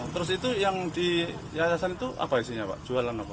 terus itu yang di yayasan itu apa isinya pak jualan apa